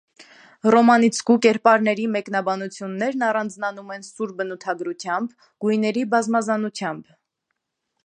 Ռոմանիցկու կերպարների մեկնաբանություններն առանձնանում են սուր բնութագրությամբ, գույների բազմազանությամբ։